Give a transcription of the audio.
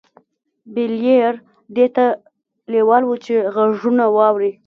بليير دې ته لېوال و چې غږونه واوري.